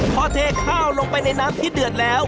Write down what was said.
พอเทข้าวลงไปในน้ำที่เดือดแล้ว